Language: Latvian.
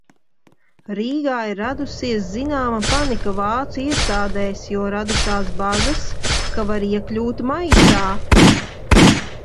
"Rīgā ir radusies zināma panika vācu iestādēs, jo radušās bažas, ka var iekļūt "maisā"."